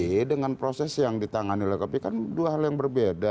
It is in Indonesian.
tapi dengan proses yang ditangani oleh kpk kan dua hal yang berbeda